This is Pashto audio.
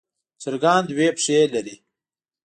چرګان دوه پښې لري.